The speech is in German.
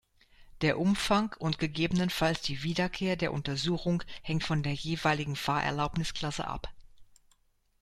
Der Umfang und gegebenenfalls die Wiederkehr der Untersuchung hängt von der jeweiligen Fahrerlaubnisklasse ab.